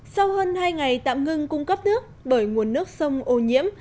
sau hơn hai ngày tạm ngưng cung cấp nước bởi nguồn nước sông ô nhiễm